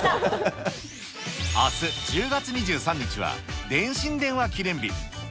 あす１０月２３日は電信電話記念日。